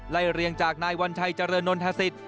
ไล่เรียงจากนายวัญชัยเจริญหนทะศิษฐ์